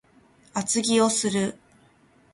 厚着をする